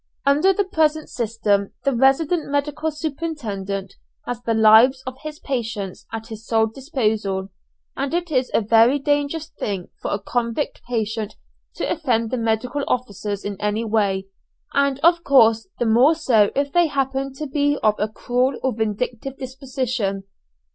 Under the present system the resident medical superintendent has the lives of his patients at his sole disposal, and it is a very dangerous thing for a convict patient to offend the medical officers in any way, and of course the more so if they happen to be of a cruel or vindictive disposition.